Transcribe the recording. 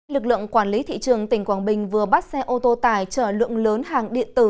lực lượng quản lý thị trường tỉnh quảng bình vừa bắt xe ô tô tải chở lượng lớn hàng điện tử